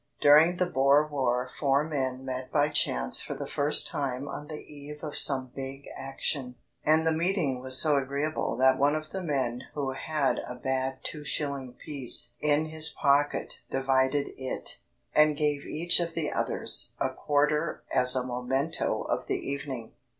During the Boer War four men met by chance for the first time on the eve of some big action, and the meeting was so agreeable that one of the men who had a bad two shilling piece in his pocket divided it, and gave each of the others a quarter as a memento of the evening.